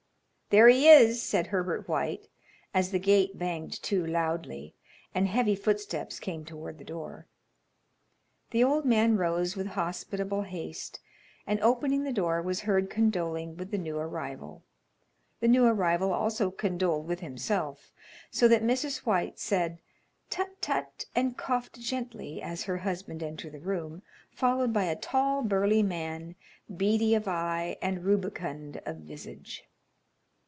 "There he is," said Herbert White, as the gate banged to loudly and heavy footsteps came toward the door. The old man rose with hospitable haste, and opening the door, was heard condoling with the new arrival. The new arrival also condoled with himself, so that Mrs. White said, "Tut, tut!" and coughed gently as her husband entered the room, followed by a tall, burly man, beady of eye and rubicund of visage.